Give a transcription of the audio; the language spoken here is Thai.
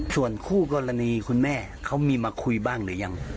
ส่วนคู่กรณีคุณแม่เขามีมาคุยบ้างหรือยัง